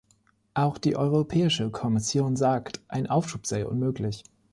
Auch die Europäische Kommission sagt, ein Aufschub sei unmöglich.